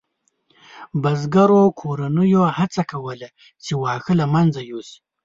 بزګرو کورنیو هڅه کوله چې واښه له منځه یوسي.